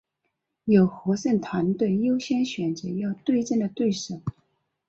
由获胜团队优先选择要对阵的对手。